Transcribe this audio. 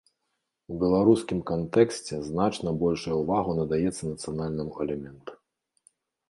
У беларускім кантэксце значна большая ўвага надаецца нацыянальнаму элементу.